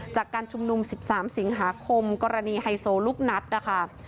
จากการชุมนุม๑๓สิงหาคมกรณีไฮโซลูกนัดนะคะ